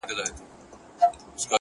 جارچي خوله وه سمه كړې و اعلان ته!.